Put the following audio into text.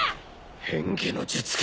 変化の術か